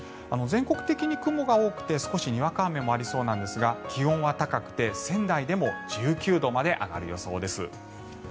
全国的に雲が多くて少しにわか雨もありそうですが気温は高くて、仙台でも１９度まで上がる予想です。